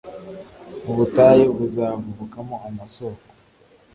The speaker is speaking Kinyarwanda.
Ubutayu buzavubukamo amasoko,